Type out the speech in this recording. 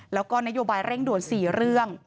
แล้วก็นโยบายเร่งด่วน๔เรื่อง